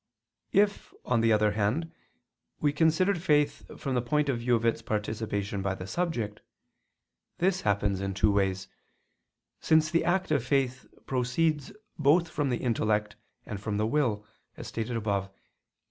If, on the other hand, we consider faith from the point of view of its participation by the subject, this happens in two ways, since the act of faith proceeds both from the intellect and from the will, as stated above (Q.